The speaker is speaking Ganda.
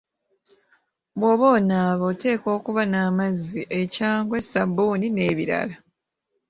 Bw'oba onaaba oteekwa okuba n'amazzi, ekyangwe, ssabbuni n'ebirala.